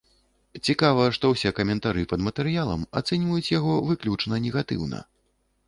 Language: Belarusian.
Цікава, што ўсе каментары пад матэрыялам ацэньваюць яго выключна негатыўна.